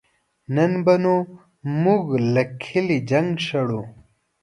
نن به نو مونږ له کلي جنګ شړو